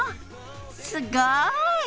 すごい！